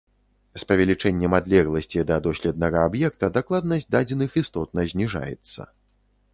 З павелічэннем адлегласці да доследнага аб'екта дакладнасць дадзеных істотна зніжаецца.